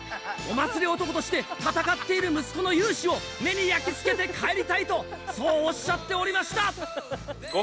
「お祭り男として戦っている息子の勇姿を目に焼き付けて帰りたい」とそうおっしゃっておりました！